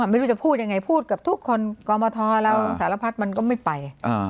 ไม่รู้จะพูดยังไงพูดกับทุกคนกรมทรแล้วสารพัดมันก็ไม่ไป